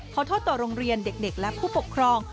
ขอโทษต่อโรงเรียนเด็กและผู้ปกครอง